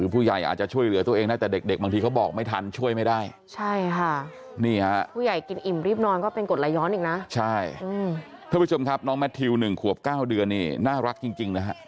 ที่สาวก็อยู่กรุงเทพฯตอนนี้ก็เหลือแค่๓นาที